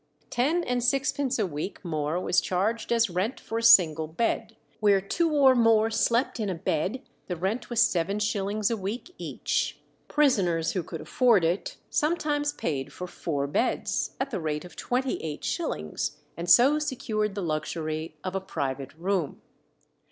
Ten and sixpence a week more was charged as rent for a single bed; where two or more slept in a bed the rent was seven shillings a week each. Prisoners who could afford it sometimes paid for four beds, at the rate of twenty eight shillings, and so secured the luxury of a private room.